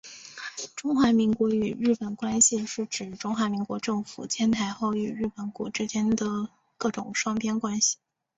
中华民国与日本关系是指中华民国政府迁台后与日本国之间的各种双边关系。